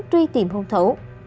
truy tìm hôn thủ